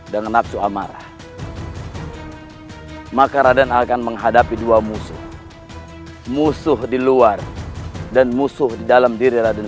dengan nafsu amarah maka raden akan menghadapi dua musuh musuh di luar dan musuh di dalam diri raden